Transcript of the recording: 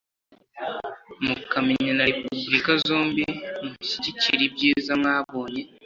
mukamenya na repubulika zombi. mushyigikire ibyiza mwabonye